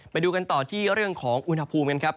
ไปดูกันต่อที่เรื่องของอุณหภูมิกันครับ